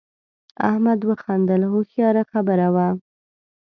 احمد وخندل هوښیاره خبره وه.